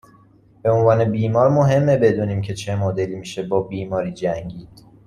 به عنوان بیمار مهمه بدونیم که چه مدلی میشه با بیماری جنگید